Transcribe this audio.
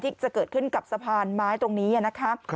ที่จะเกิดขึ้นกับสะพานไม้ตรงนี้นะคะ